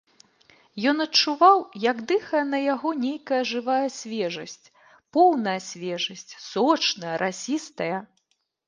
Ён адчуваў, як дыхае на яго нейкая жывая свежасць, поўная свежасць, сочная, расістая.